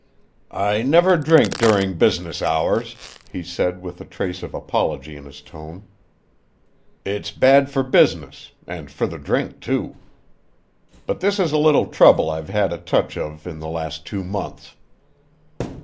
"I never drink during business hours," he said with a trace of apology in his tone. "It's bad for business, and for the drink, too. But this is a little trouble I've had a touch of in the last two months.